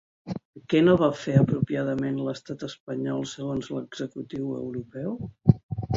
Què no va fer apropiadament l'estat espanyol segons l'executiu europeu?